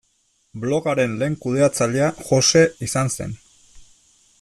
Blogaren lehen kudeatzailea Jose izan zen.